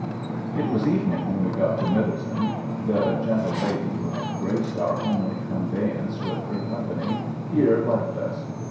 It was evening when we got to Middletown. The gentle lady who had graced our homely conveyance with her company here left us.